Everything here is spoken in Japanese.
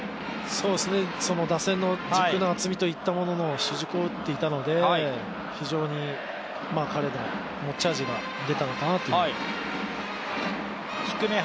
打線の軸の厚みといったものの主軸を打っていたので、非常に彼の持ち味が出たのかなというふうに。